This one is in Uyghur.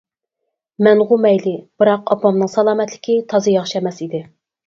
مەنغۇ مەيلى، بىراق ئاپامنىڭ سالامەتلىكى تازا ياخشى ئەمەس ئىدى.